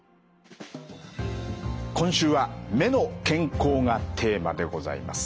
今週は「目の健康」がテーマでございます。